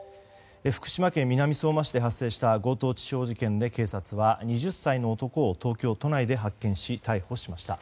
福島県南相馬市で発生した強盗致傷事件で警察は２０歳の男を東京都内で発見し逮捕しました。